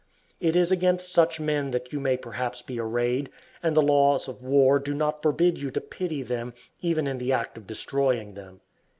It is against such men that you may perhaps be arrayed, and the laws of war do not forbid you to pity them even in the act of destroying them.